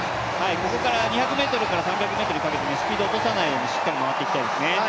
ここから２００ｍから３００ｍにかけてスピードを落とさないようにしっかり回っていきたいですね。